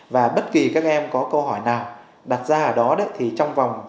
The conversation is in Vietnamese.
và bất kỳ các em có câu hỏi nào đặt ra ở đó